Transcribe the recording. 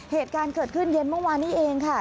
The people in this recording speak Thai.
เหตุการณ์เกิดขึ้นเย็นเมื่อวานนี้เองค่ะ